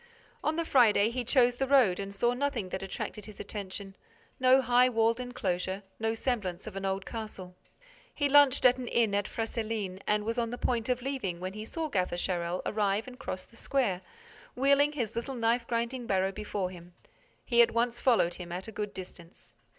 On the Friday, he chose the road and saw nothing that attracted his attention, no high walled enclosure, no semblance of an old castle. He lunched at an inn at Fresselines and was on the point of leaving when he saw Gaffer Charel arrive and cross the square, wheeling his little knife grinding barrow before him. He at once followed him at a good distance.